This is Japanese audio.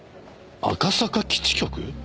赤坂基地局？